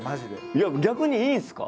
いや逆にいいんすか？